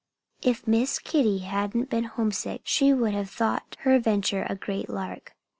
If Miss Kitty hadn't been homesick she would have thought her adventure a great lark.